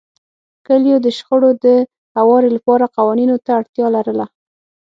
کلیو د شخړو د هواري لپاره قوانینو ته اړتیا لرله.